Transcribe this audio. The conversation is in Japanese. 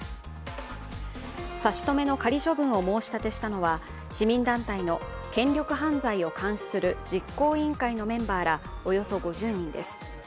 差し止めの仮処分を申し立てしたのは市民団体の権力犯罪を監視する実行委員会のメンバーら、およそ５０人です。